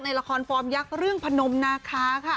ละครฟอร์มยักษ์เรื่องพนมนาคาค่ะ